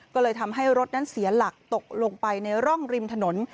ก็เลยทำให้รถนั้นเสียหลักตกลงไปในร่องริมถนน